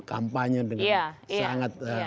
kampanye dengan sangat konsisten